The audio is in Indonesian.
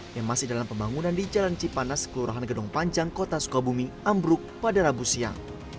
yang masih dalam pembangunan di jalan cipanas kelurahan gedong panjang kota sukabumi ambruk pada rabu siang